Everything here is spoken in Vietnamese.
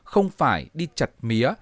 không phải đi chặt mía